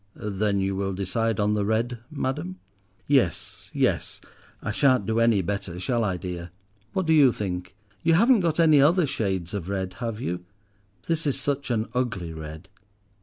"Then you will decide on the red, madam?" "Yes—yes, I shan't do any better, shall I, dear? What do you think? You haven't got any other shades of red, have you? This is such an ugly red."